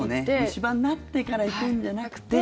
虫歯になってから行くんじゃなくて。